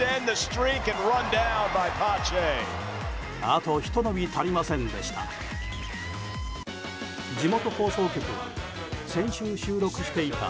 あとひと伸び足りませんでした。